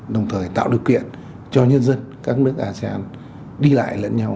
đồng thời tạo điều kiện cho nhân dân các nước asean đi lại lẫn nhau